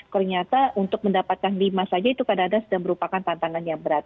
ternyata untuk mendapatkan lima saja itu kadang kadang sudah merupakan tantangan yang berat